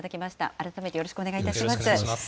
改めてよろしくお願いいたします。